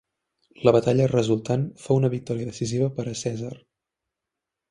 La batalla resultant fou una victòria decisiva per a Cèsar.